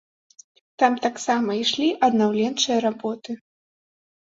Там таксама ішлі аднаўленчыя работы.